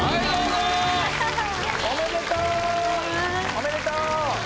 おめでとう。